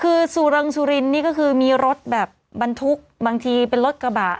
คือสุรังสุรินนี่ก็คือมีรถแบบบรรทุกบางทีเป็นรถกระบะ